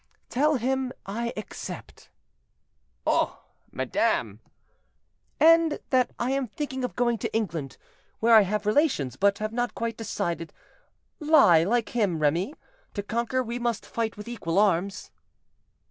"Tell him I accept." "Oh! madame." "Add that I am thinking of going to England, where I have relations, but have not quite decided; lie like him, Remy; to conquer we must fight with equal arms."